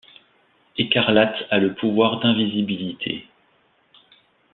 Écarlate a le pouvoir d'invisibilité.